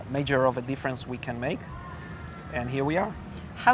dan berapa besar perbedaan yang dapat kita buat